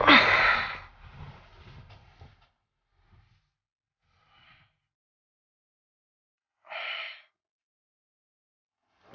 kamu juga kan